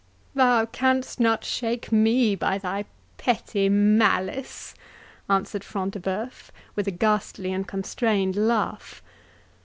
"Thou canst not shake me by thy petty malice," answered Front de Bœuf, with a ghastly and constrained laugh.